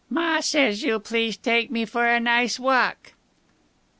"Ma says will you please take me for a nice walk!"